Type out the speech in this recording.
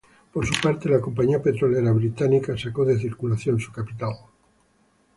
Por su parte la compañía petrolera británica sacó de circulación su capital.